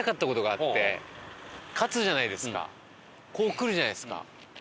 やってるじゃないですか。